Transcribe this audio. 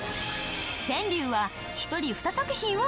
川柳は一人２作品を応募